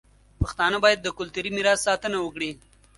پښتانه باید د کلتوري میراث ساتنه وکړي.